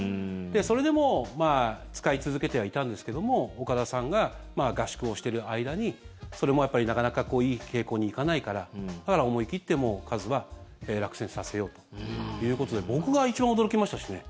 それでも使い続けてはいたんですけども岡田さんが合宿をしている間にそれもやっぱりなかなかいい傾向に行かないからだから思い切ってカズは落選させようということで僕が一番驚きましたしね。